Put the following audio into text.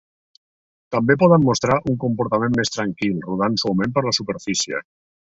També poden mostrar un comportament més tranquil, rodant suaument per la superfície.